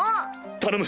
頼む！